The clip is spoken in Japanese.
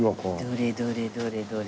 どれどれどれどれ。